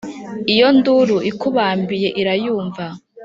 iyo induru ikubambiye irayumva